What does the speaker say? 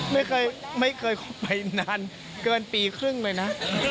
ไม่เคยไม่เคยไปนานเกินปีครึ่งเลยนะ